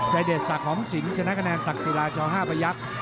เดชศักดิหอมสินชนะคะแนนตักศิลาจอ๕ประยักษ์